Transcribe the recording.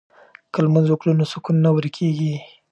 که لمونځ وکړو نو سکون نه ورکيږي.